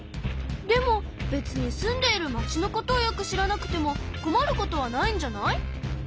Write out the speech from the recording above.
でもべつに住んでいるまちのことをよく知らなくてもこまることはないんじゃない？